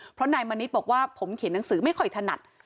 เพราะนายมณิษฐ์บอกว่าผมเขียนหนังสือไม่ค่อยถนัด